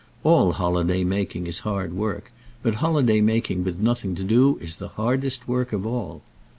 All holiday making is hard work, but holiday making with nothing to do is the hardest work of all.